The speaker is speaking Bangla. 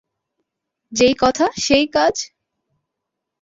যেই কথা সে-ই কাজ।